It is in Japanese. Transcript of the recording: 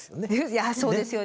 いやそうですよね。